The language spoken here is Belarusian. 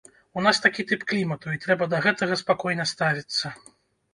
У нас такі тып клімату, і трэба да гэтага спакойна ставіцца.